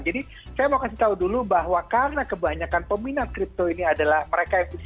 jadi saya mau kasih tahu dulu bahwa karena kebanyakan peminat kripto ini adalah mereka yang fisiologi